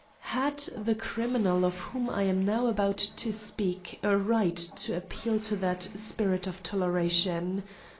Had the criminal of whom I am now about to speak a right to appeal to that spirit of toleration?